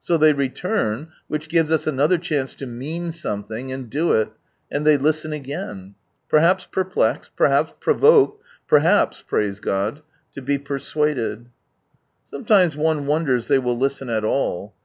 So they return, which gives us another chance to mean something, and do it ; and they listen again ; perhaps perplexed, perhaps provoked, perhaps, praise God I to be persuaded. 126 From Sunrise Land Sometimes one wonders Ihey will listen at all.